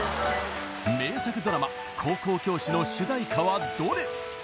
名作ドラマ「高校教師」の主題歌はどれ？